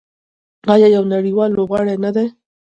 آیا یو نړیوال لوبغاړی نه دی؟